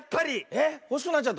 えっほしくなっちゃった？